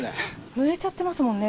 ぬれちゃってますもんね。